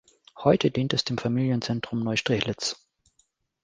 Heute dient es dem "Familienzentrum Neustrelitz".